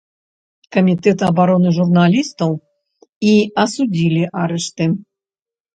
Камітэт абароны журналістаў і асудзілі арышты.